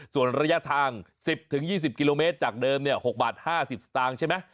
ส่วนระยะทาง๑๐๒๐กิโลเมตรจากเดิม๖บาท๕๐สตางค์ใช่ไหม